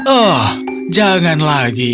oh jangan lagi